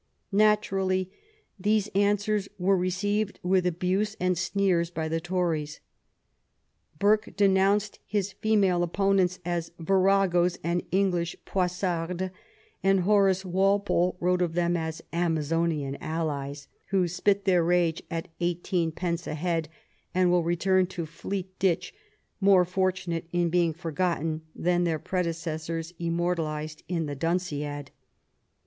Naturally, these answers were received with abuse and sneers by the Tories. Burke denounced his female opponents as viragoes and English poissardes "; and Horace Walpole wrote of them as ^' Amazonian allies,'' who "spit their rage at eighteen pence a head, and will return to Fleet ditch, more fortunate in being forgotten than their predecessors, immortalized in the ^ Dun dad.'